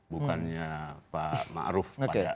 bukannya pak ma'ruf